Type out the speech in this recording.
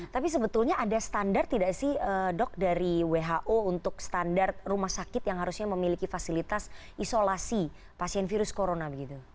tapi sebetulnya ada standar tidak sih dok dari who untuk standar rumah sakit yang harusnya memiliki fasilitas isolasi pasien virus corona begitu